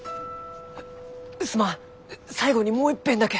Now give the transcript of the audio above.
すまん最後にもういっぺんだけ！